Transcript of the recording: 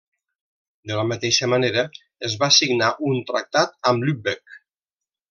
De la mateixa manera, es va signar un tractat amb Lübeck.